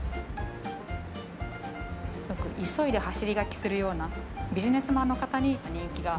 すごく急いで走り書きするようなビジネスマンの方に人気が。